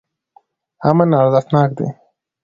امن ارزښتناک دی.